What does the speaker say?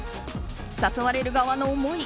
誘われる側の思い